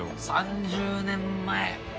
３０年前。